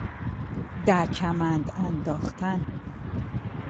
در کمند انداختن